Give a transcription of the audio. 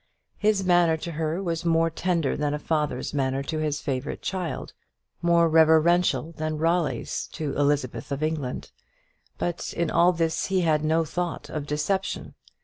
His manner to her was more tender than a father's manner to his favourite child, more reverential than Raleigh's to Elizabeth of England, but in all this he had no thought of deception.